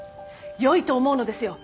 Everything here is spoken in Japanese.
よいと思うのですよお江戸に！